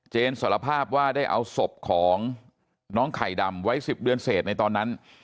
สารภาพว่าได้เอาศพของน้องไข่ดำไว้๑๐เดือนเศษในตอนนั้น